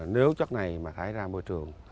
nếu chất này mà thái ra môi trường